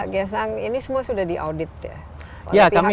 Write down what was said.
gesang ini semua sudah diaudit ya